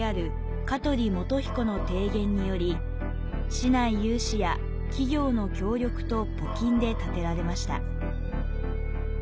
市内有志や企業の協力と募金で建てられました。